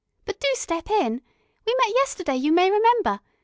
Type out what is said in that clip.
"But do step in. We met yesterday, you may remember.